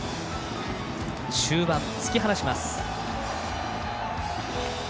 中盤、突き放します。